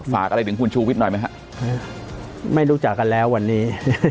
ฝากอะไรถึงคุณชูวิทย์หน่อยไหมฮะไม่รู้จักกันแล้ววันนี้